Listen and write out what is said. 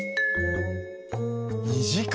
２時間！？